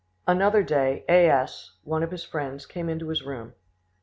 Another day, A. S., one of his friends, came into his room.